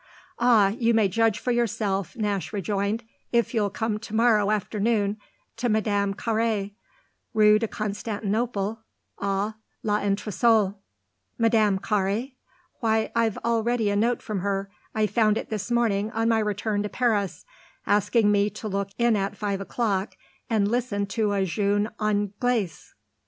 "Ah you may judge for yourself," Nash rejoined, "if you'll come to morrow afternoon to Madame Carré, Rue de Constantinople, à l'entresol." "Madame Carré? Why, I've already a note from her I found it this morning on my return to Paris asking me to look in at five o'clock and listen to a jeune Anglaise."